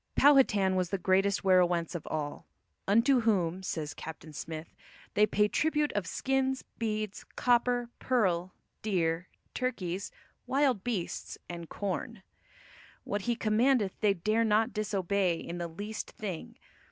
Powhatan was the great werowance over all, "unto whom," says Captain Smith, "they pay tribute of skinnes, beads, copper, pearle, deere, turkies, wild beasts, and corne. What he commandeth they dare not disobey in the least thing.